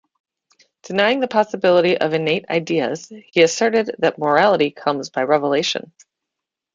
Denying the possibility of innate ideas, he asserted that morality comes by revelation.